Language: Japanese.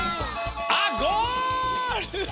あゴール！